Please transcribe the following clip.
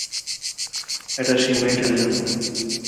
এটা সেই মেয়েটার জন্য।